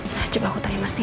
nah coba aku tanya mastin